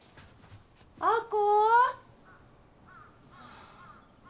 亜子？